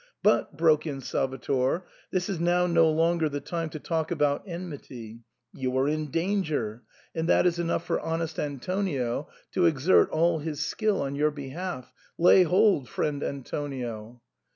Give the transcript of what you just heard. "But," broke in Salvator, " this is now no longer the time to talk about enmity; you are in danger, and that is io8 SIGNOR FORMICA. enough for honest Antonio to exert all his skill on your behalf. Lay hold, friend Antonio."